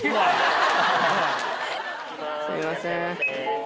すいません。